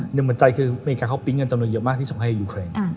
หัวใจคืออเมริกาเขาปิ๊งเงินจำนวนเยอะมากที่ส่งให้ยูเครน